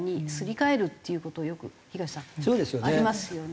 東さんありますよね。